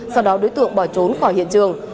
sau đó đối tượng bỏ trốn khỏi hiện trường